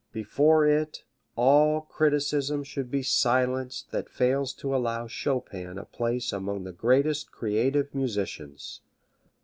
Before it all criticism should be silenced that fails to allow Chopin a place among the greatest creative musicians.